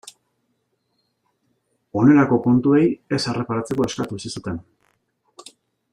Honelako kontuei ez erreparatzeko eskatu zizuten.